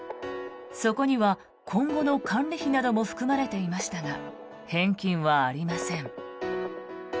そこには今後の管理費なども含まれていましたが返金はありません。